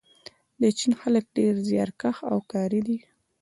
د چین خلک ډېر زیارکښ او کاري دي.